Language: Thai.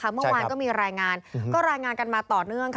เมื่อวานก็มีรายงานก็รายงานกันมาต่อเนื่อง